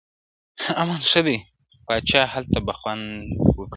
امن ښه دی پاچا هلته به خوند وکړي.